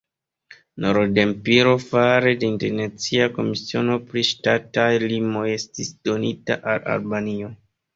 Norda Epiro fare de internacia komisiono pri ŝtataj limoj estis donita al Albanio.